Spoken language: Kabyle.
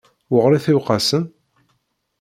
Weεrit iwqasen?